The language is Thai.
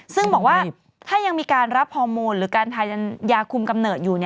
ซึ่งบอกว่าถ้ายังมีการรับฮอร์โมนหรือการทานยาคุมกำเนิดอยู่